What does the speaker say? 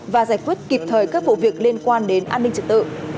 và giải quyết kịp thời các vụ việc liên quan đến an ninh trật tự